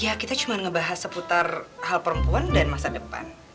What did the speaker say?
ya kita cuma ngebahas seputar hal perempuan dan masa depan